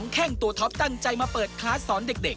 แข้งตัวท็อปตั้งใจมาเปิดคลาสสอนเด็ก